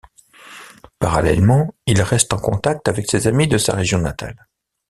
Parallèlement, il reste en contact avec ses amis de sa région natale.